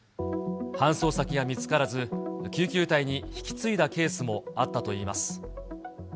搬送先が見つからず、救急隊に引き継いだケースもあったといいます。